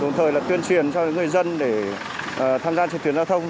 đồng thời tuyên truyền cho người dân để tham gia trên tuyến giao thông